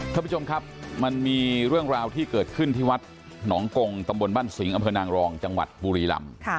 ท่านผู้ชมครับมันมีเรื่องราวที่เกิดขึ้นที่วัดหนองกงตำบลบ้านสิงห์อำเภอนางรองจังหวัดบุรีรำ